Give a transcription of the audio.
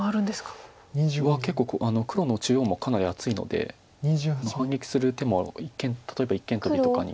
結構黒の中央もかなり厚いので反撃する手も例えば一間トビとかに。